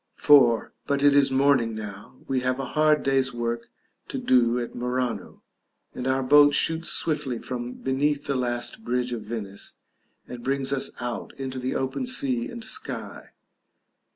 § IV. But it is morning now: we have a hard day's work to do at Murano, and our boat shoots swiftly from beneath the last bridge of Venice, and brings us out into the open sea and sky.